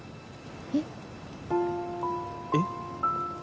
えっ？えっ？